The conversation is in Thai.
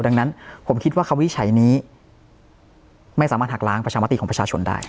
ดังนั้นผมคิดว่าคำวิจัยนี้ไม่สามารถหักล้างประชามติของประชาชนได้